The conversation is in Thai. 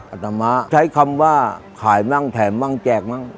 อัตมาใช้คำว่าขายมั่งแถมมั่งแจกมั่ง